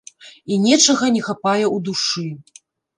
І нечага не хапае ў душы.